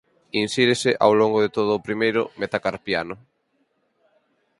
Insírese ao longo de todo o primeiro metacarpiano.